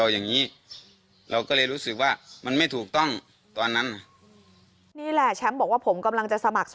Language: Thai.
อย่างรู้ว่าทำอะไรบ้าง